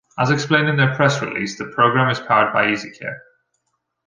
As explained in their press release, the program is powered by EasyCare.